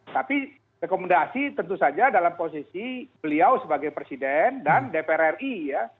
tapi rekomendasi tentu saja dalam posisi beliau sebagai presiden dan dpr ri ya